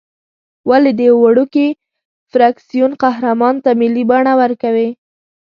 ولې د یوه وړوکي فرکسیون قهرمان ته ملي بڼه ورکوې.